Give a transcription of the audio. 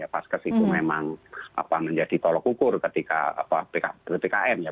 pas kesitu memang menjadi tolok ukur ketika ppkm